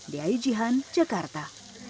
di aijihan jakarta